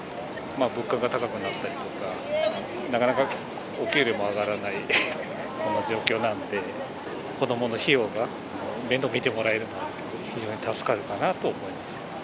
物価が高くなったりとか、なかなかお給料が上がらないような状況なので、子供の費用が面倒を見てもらえると非常に助かるかなと思います。